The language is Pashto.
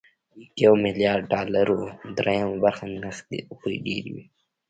د يو ميليارد ډالرو درېيمه برخه نغدې روپۍ ډېرې وي